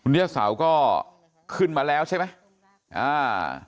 คุณเจ้าสาวก็ขึ้นมาแล้วใช่ไหมอ่า